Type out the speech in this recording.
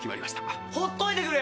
ほっといてくれよ！